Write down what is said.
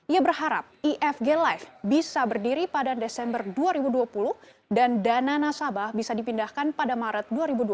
ia berharap ifg life bisa berdiri pada desember dua ribu dua puluh dan dana nasabah bisa dipindahkan pada maret dua ribu dua puluh